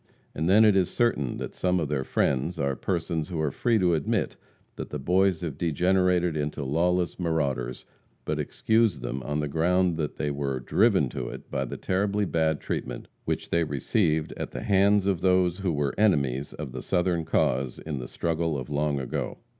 And then it is certain that some of their "friends" are persons who are free to admit that the Boys have degenerated into lawless marauders, but excuse them on the ground that they were driven to it by the terribly bad treatment which they received at the hands of those who were enemies of the Southern cause in the struggle of long ago.